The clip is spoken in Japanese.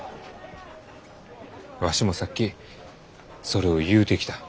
わしもさっきそれを言うてきた。